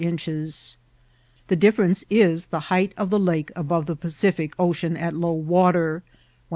4 The difference ia the height of the lake above the Pacific Ocean at low water 198 3.